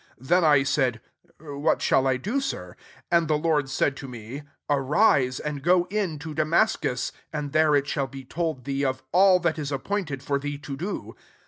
10 Then I said, 'What shall I do. Sir?' And the vLord said to me, 'Arise, and go in to Damascus ; and there it shall be told thee of all that is appointed for thee to do.'